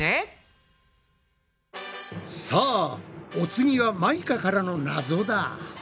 さあお次はマイカからのナゾだ。